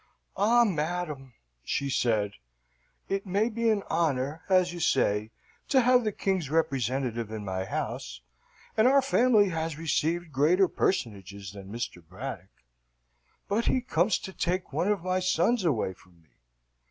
"Ah, madam!" she said, "it may be an honour, as you say, to have the King's representative in my house, and our family has received greater personages than Mr. Braddock. But he comes to take one of my sons away from me.